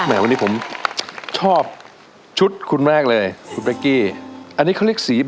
ค่ะวันนี้ผมชอบชุดคุณแม่งเลยคุณแบ็กกี้